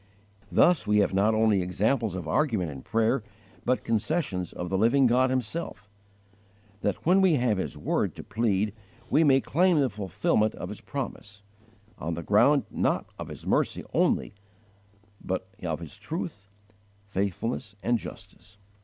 * Proverbs xxviii. 13. Thus we have not only examples of argument in prayer, but concessions of the living God Himself, that when we have His word to plead we may claim the fulfillment of His promise, on the ground not of His mercy only, but of His truth, faithfulness, and justice.